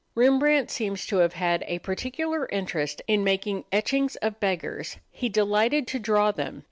Rembrandt seems to have had a particular interest in making etchings of beggars. He delighted to draw them.